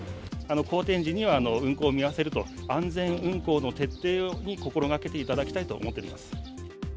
荒天時には運航を見合わせると、安全運航の徹底を心がけていただきたいと思っております。